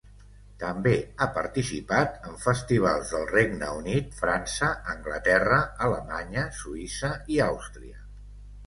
També ha participat en festivals del Regne Unit, França, Anglaterra, Alemanya, Suïssa i Àustria.